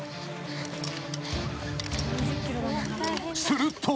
［すると］